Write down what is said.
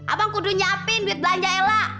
abang kudu nyiapin duit belanja ella